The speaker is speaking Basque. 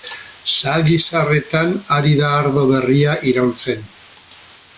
Zahagi zaharretan ari da ardo berria iraultzen.